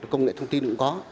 công nghệ thông tin cũng có